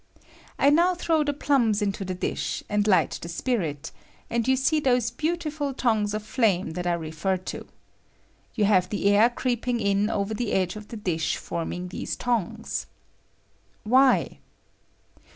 I now throw the plums into the dish, and light the spirit, and you see those beautiful tongues of flame that I refer to. You have the air creeping in over the edge of the dish forming these tongues. Why?